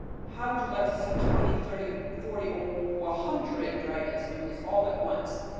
How would you like to see twenty, thirty, forty, oh, a hundred dragons doing this all at once.